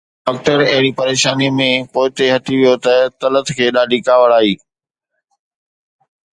doctor اهڙي پريشانيءَ ۾ پوئتي هٽي ويو ته طلعت کي ڏاڍي ڪاوڙ آئي